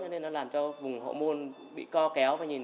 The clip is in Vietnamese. nên nó làm cho vùng hậu môn bị co kéo